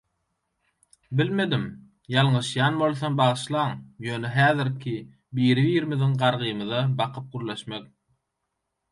Bilmedim, ýalňyşýan bolsam bagyşlaň, ýöne häzirki biri-birimiziň gargymyza bakyp gürleşmek